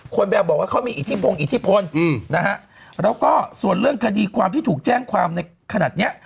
แบบบอกว่าเขามีอิทธิพงอิทธิพลนะฮะแล้วก็ส่วนเรื่องคดีความที่ถูกแจ้งความในขณะเนี้ย